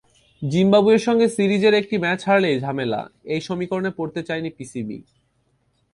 জিম্বাবুয়ের সঙ্গে সিরিজের একটি ম্যাচ হারলেই ঝামেলা—এই সমীকরণে পড়তে চায়নি পিসিবি।